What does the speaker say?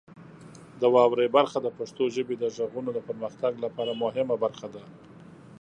د واورئ برخه د پښتو ژبې د غږونو د پرمختګ لپاره مهمه برخه ده.